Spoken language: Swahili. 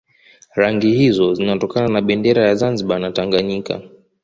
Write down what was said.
Rangi hizo zinatokana na bendera za Zanzibar na Tanganyika